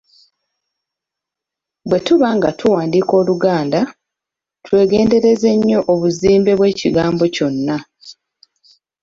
Bwetuba nga tuwandiika Oluganda, twegendereze nnyo obuzimbe bw'ekigambo kyonna.